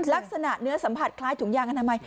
ลักษณะเนื้อสัมผัสคล้ายถุงยางอนามัย